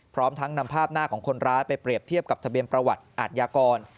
พร้อมทั้งนำภาพหน้าของคนร้ายไปเปรียบเทียบกับทะเบียนประวัติอาทยากร